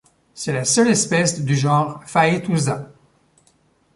C'est la seule espèce du genre Phaetusa.